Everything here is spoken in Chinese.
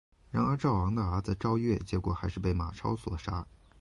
然而赵昂的儿子赵月结果还是被马超所杀。